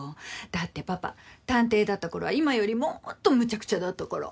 だってパパ探偵だったころは今よりもっとむちゃくちゃだったから。